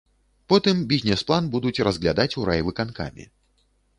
Потым бізнес-план будуць разглядаць у райвыканкаме.